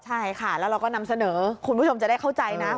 ใช่ค่ะแล้วเราก็นำเสนอคุณผู้ชมจะได้เข้าใจนะ